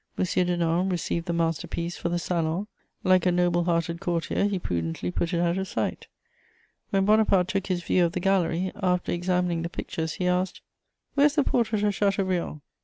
Denon received the master piece for the Salon; like a noble hearted courtier, he prudently put it out of sight. When Bonaparte took his view of the gallery, after examining the pictures, he asked: "Where is the portrait of Chateaubriand?"